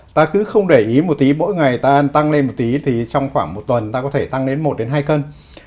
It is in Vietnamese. ta cứ không để ý một tí mỗi ngày ta tăng lên một tí thì trong khoảng một tuần ta có thể tăng đến một hai cân